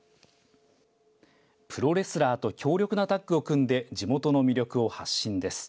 プロレスラーと強力なタッグを組んで地元の魅力を発信です。